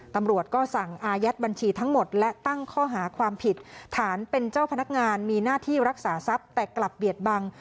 ตำรวจก็สั่งอายัดบัญชีทั้งหมดและตั้งข้อหาความผิดฐานเป็นเจ้าพนักงานมีหน้าที่รักษาทรัพย์แต่กลับเบียดบัง